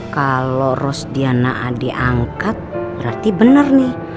kalau ros diana adik angkat berarti bener nih